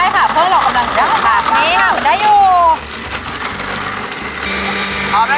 เครื่องเราแน่นได้ค่ะเพื่อเรากำลังทำค่ะ